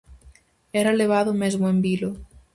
Era levado mesmo en vilo.